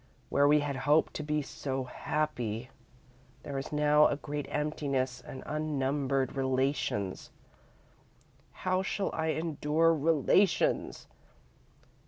Where we had hoped to be so happy, there is now a great emptiness and unnumbered Relations. How shall I endure Relations?